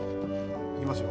いきますよ。